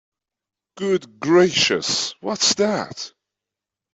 Good gracious, what's that?